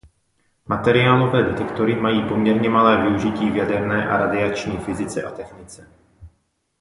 Materiálové detektory mají poměrně malé využití v jaderné a radiační fyzice a technice.